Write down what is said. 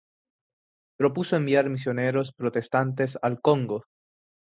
Propuso enviar misioneros protestantes al Congo.